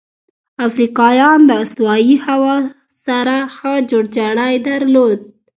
افریقایان د استوایي هوا سره ښه جوړجاړی درلود.